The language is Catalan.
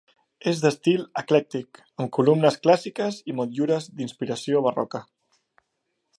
És d'estil eclèctic, amb columnes clàssiques i motllures d'inspiració barroca.